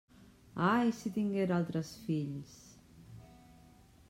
Ai, si tinguera altres fills...!